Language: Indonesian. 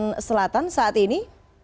kalimantan selatan saat ini